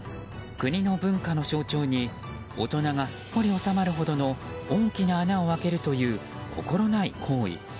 国の文化の象徴に大人がすっぽり収まるほどの大きな穴を開けるという心ない行為。